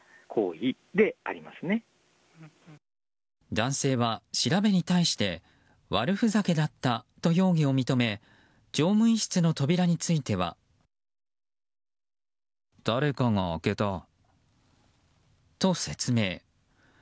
男性は、調べに対して悪ふざけだったと容疑を認め乗務員室の扉については。と、説明。